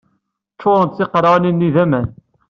Ččuṛent tqerɛunin-nni d aman.